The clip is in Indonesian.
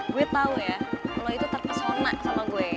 gue tau ya gue itu terpesona sama gue